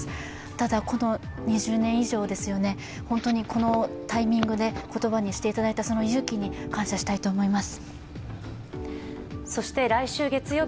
ただ、この２０年以上このタイミングで言葉にしていただいたその勇気に感謝したいと思います。